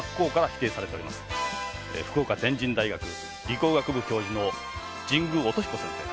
福岡天神大学理工学部教授の神宮音彦先生。